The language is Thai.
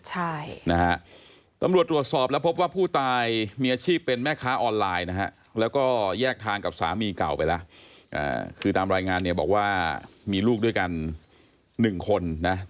ใช่นะฮะตำรวจตรวจสอบแล้วพบว่าผู้ตายมีอาชีพ